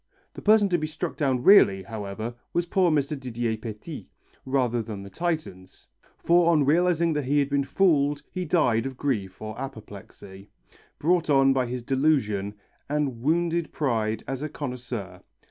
The person to be struck down really, however, was poor Mr. Didier Petit, rather than the Titans, for on realizing that he had been fooled he died of grief or apoplexy, brought on by his disillusion, and wounded pride as a connoisseur.